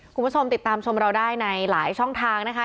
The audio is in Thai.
คุณผู้ชมติดตามชมเราได้ในหลายช่องทางนะคะ